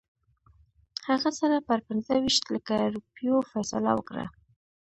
هغه سره پر پنځه ویشت لکه روپیو فیصله وکړه.